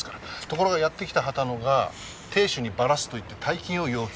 ところがやって来た秦野が亭主にバラすと言って大金を要求してきた。